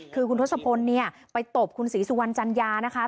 คือคุณทศพลเนี่ยไปตบคุณศรีสุวรรณจัญญานะคะ